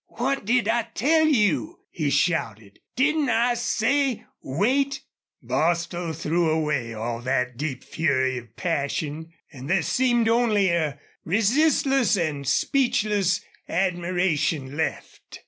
"What did I tell you?" he shouted. "Didn't I say wait?" Bostil threw away all that deep fury of passion, and there seemed only a resistless and speechless admiration left.